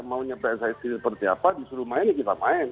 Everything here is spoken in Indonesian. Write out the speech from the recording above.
mau nyampe prestasi seperti apa disuruh main kita main